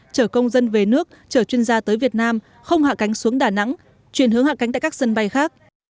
chở công dân về nước chở chuyên gia tới việt nam không hạ cánh xuống đà nẵng chuyển hướng hạ cánh tại các sân bay khác